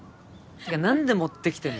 てか何で持ってきてんの？